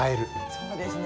そうですね。